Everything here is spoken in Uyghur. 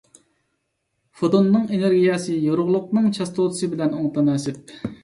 فوتوننىڭ ئېنېرگىيەسى يورۇقلۇقنىڭ چاستوتىسى بىلەن ئوڭ تاناسىپ.